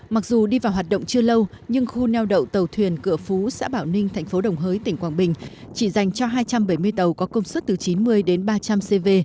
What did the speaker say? mặc dù đi vào hoạt động chưa lâu nhưng khu neo đậu tàu thuyền cửa phú xã bảo ninh thành phố đồng hới tỉnh quảng bình chỉ dành cho hai trăm bảy mươi tàu có công suất từ chín mươi đến ba trăm linh cv